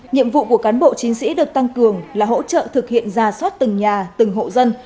nhiệm vụ của cán bộ chiến sĩ được tăng cường là hỗ trợ thực hiện ra soát từng nhà từng hộ dân